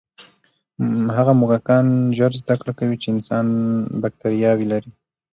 هغه موږکان ژر زده کړه کوي چې انسان بکتریاوې لري.